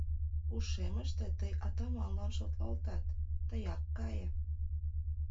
— Ушемыште тый атаманлан шотлалтат, тыяк кае.